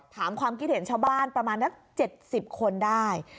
ความคิดเห็นชาวบ้านประมาณนัก๗๐คนได้